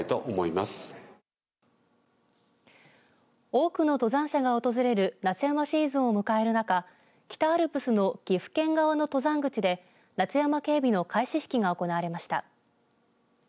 多くの登山者が訪れる夏山シーズンを迎える中北アルプスの岐阜県側の登山口で夏山警備の開始式が行われました。